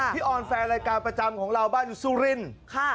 ออนแฟนรายการประจำของเราบ้านอยู่สุรินทร์